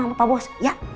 sama pak boos ya